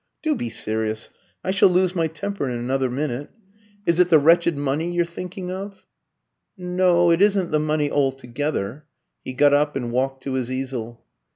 "Do be serious; I shall lose my temper in another minute. Is it the wretched money you're thinking of?" "No, it isn't the money altogether." He got up and walked to his easel.